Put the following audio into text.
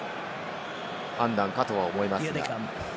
判断かと思います。